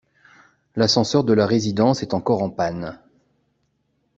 L'ascenseur de la résidence est encore en panne.